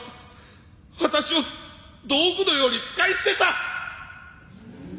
私を道具のように使い捨てた！